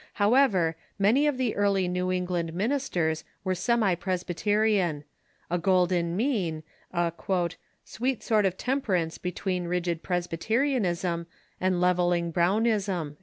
However, many of the early New England ministers were semi Presbyterian — the golden mean, a " sweet sort of temperance between rigid Presbyterianism and level ling Brownism."